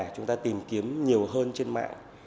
chúng ta tìm kiếm nhiều hơn trên mạng